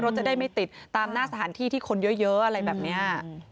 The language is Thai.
จะได้ไม่ติดตามหน้าสถานที่ที่คนเยอะอะไรแบบนี้